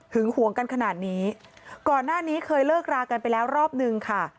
ห่วงกันขนาดนี้ก่อนหน้านี้เคยเลิกรากันไปแล้วรอบนึงค่ะ